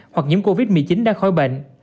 hoặc nhiễm covid một mươi chín đang khói bệnh